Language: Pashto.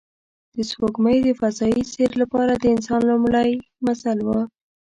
سپوږمۍ د فضایي سیر لپاره د انسان لومړی منزل و